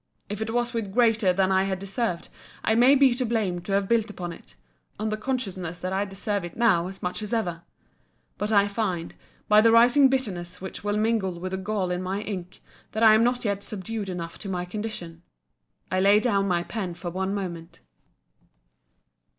If it was with greater than I had deserved, I may be to blame to have built upon it, on the consciousness that I deserve it now as much as ever. But I find, by the rising bitterness which will mingle with the gall in my ink, that I am not yet subdued enough to my condition.—I lay down my pen for one moment.